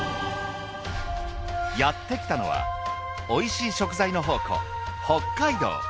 やって来たのはおいしい食材の宝庫北海道。